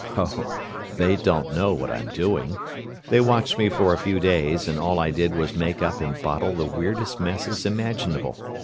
"Oh, they don't know what I'm doing. They watched me for a few days, and all I did was make up and bottle the weirdest messes imaginable.